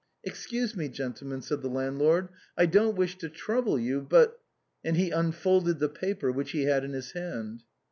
" Excuse me, gentlemen," said the landlord ;" I don't wish to trouble you, but " and he unfolded the paper which he had in his hand.